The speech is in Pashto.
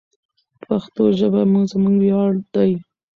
پښتو ژبه زموږ ویاړ دی.